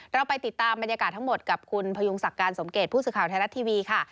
เราไปติดตามบรรยากาศทั้งหมดกับคุณพยุงศักดิ์การสมเกตผู้สื่อข่าวไทยรัฐทีวีค่ะ